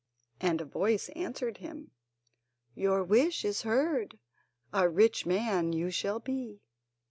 And a voice answered him: "Your wish is heard; a rich man you shall be!"